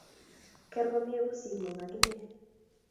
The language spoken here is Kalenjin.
Ker komie pusingung ak inae